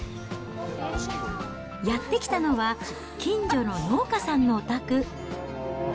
やって来たのは、近所の農家さんのお宅。